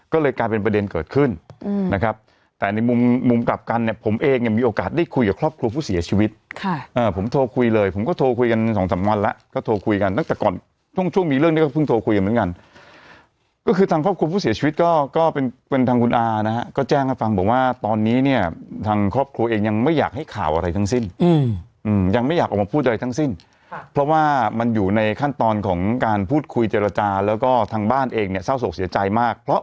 ก็เลยกลายเป็นประเด็นเกิดขึ้นอืมนะครับแต่ในมุมมุมกลับกันเนี้ยผมเองยังมีโอกาสได้คุยกับครอบครัวผู้เสียชีวิตค่ะอ่าผมโทรคุยเลยผมก็โทรคุยกันสองสามวันแล้วก็โทรคุยกันตั้งแต่ก่อนช่วงช่วงมีเรื่องนี้ก็เพิ่งโทรคุยกันเหมือนกันก็คือทางครอบครัวผู้เสียชีวิตก็ก็เป็นเป็นทางคุณอานะฮะ